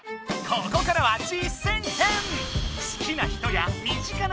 ここからは実践編！